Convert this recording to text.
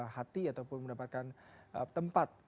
hati ataupun mendapatkan tempat